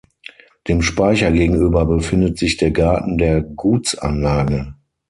Dem Speicher gegenüber befindet sich der Garten der Gutsanlage.